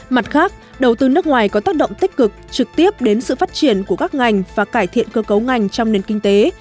mặt khác đầu tư nước ngoài có tác động tích cực trực tiếp đến sự phát triển của các ngành và cải thiện cơ cấu ngành trong nền kinh tế